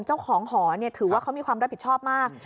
เจ้าของหอถือว่าเขามีความรับผิดชอบมาก